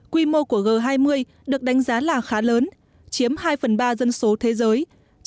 quy mô của g hai mươi được đánh giá là khá lớn chiếm hai phần ba dân số thế giới